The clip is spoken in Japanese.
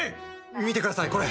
見てくださいこれ。